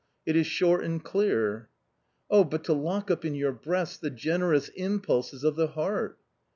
It is short and clear." "Oh, but to lock up in your breast the generous impulses of the heart